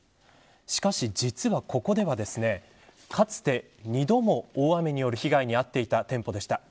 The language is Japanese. しかし、実はここではかつて、２度も大雨による被害に遭っていた店舗でした。